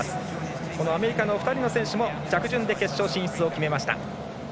アメリカの２人の選手も着順で決勝進出を決めました。